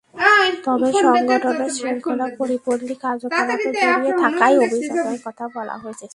তবে সংগঠনের শৃঙ্খলা পরিপন্থী কার্যকলাপে জড়িত থাকার অভিযোগের কথা বলা হয়েছে।